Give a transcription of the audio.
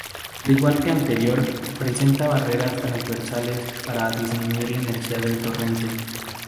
Al igual que anterior presenta barreras transversales para disminuir la energía del torrente.